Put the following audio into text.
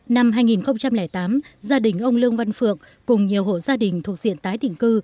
năm hai nghìn tám gia đình ông lương văn phượng cùng nhiều hộ gia đình thuộc diện tái định cư